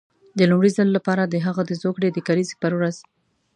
د لومړي ځل لپاره د هغه د زوکړې د کلیزې پر ورځ.